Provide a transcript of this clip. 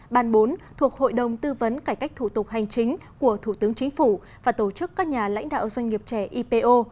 ban bốn thuộc hội đồng tư vấn cải cách thủ tục hành chính của thủ tướng chính phủ và tổ chức các nhà lãnh đạo doanh nghiệp trẻ ipo